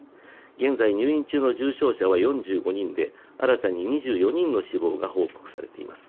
現在入院中の重症者は４５人で新たに２４人の死亡が報告されています。